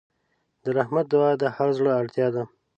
د رحمت دعا د هر زړه اړتیا ده.